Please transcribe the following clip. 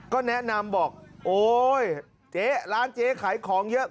ก็แนะนำบอกโอ๊ยเจ๊ร้านเจ๊ขายของเยอะ